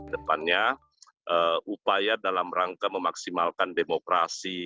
depannya upaya dalam rangka memaksimalkan demokrasi